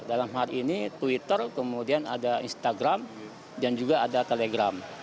dalam hal ini twitter kemudian ada instagram dan juga ada telegram